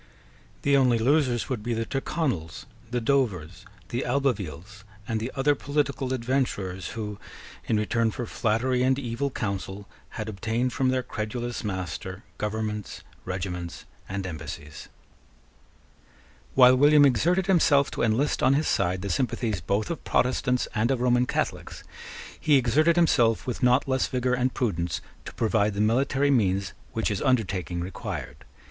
The only losers would be the Tyrconnels, the Dovers, the Albevilles, and the other political adventurers who, in return for flattery and evil counsel, had obtained from their credulous master governments, regiments, and embassies. While William exerted himself to enlist on his side the sympathies both of Protestants and of Roman Catholics, he exerted himself with not less vigour and prudence to provide the military means which his undertaking required.